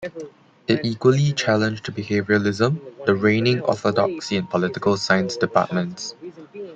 It equally challenged behavioralism, the reigning orthodoxy in political science departments.